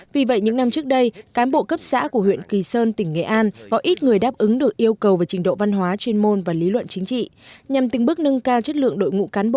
vì vậy những năm trước đây cán bộ cấp xã của huyện kỳ sơn tỉnh nghệ an có ít người đáp ứng được yêu cầu về trình độ văn hóa chuyên môn và lý luận chính trị